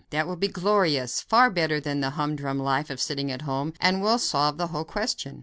That will be glorious far better than the humdrum life of sitting at home and will solve the whole question."